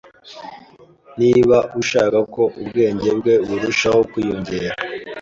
Niba ushaka ko ubwenge bwe burushaho kwiyongera